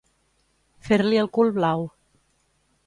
Fer-li el cul blau.